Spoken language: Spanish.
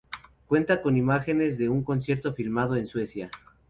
Cuenta con imágenes de un concierto filmado en Suecia.